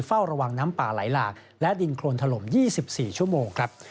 เฝ้าระวังน้ำป่าไหลหลากและดินโครนถล่ม๒๔ชั่วโมงครับ